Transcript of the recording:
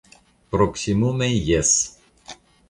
Proksimume, jes.